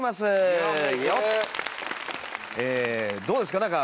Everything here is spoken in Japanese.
どうですか？